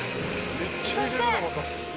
そして。